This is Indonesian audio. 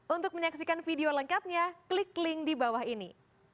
untuk menyaksikan video lengkapnya klik link di bawah ini